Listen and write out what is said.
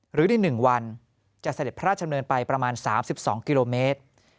หรือใน๑วันจะเสด็จพระราชดำเนินไปประมาณ๓๒กิโลเมตร